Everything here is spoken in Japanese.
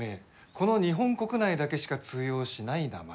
この日本国内だけしか通用しない名前だ。